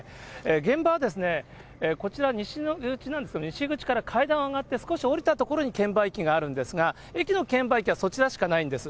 現場はこちら西口なんですけど、西口から階段を上がって、少し下りた所に券売機があるんですが、駅の券売機はそちらしかないんです。